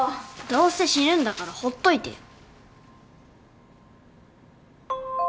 どうせ死ぬんだからほっといてよ。